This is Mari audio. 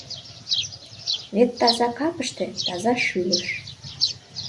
Вет таза капыште — таза шӱлыш!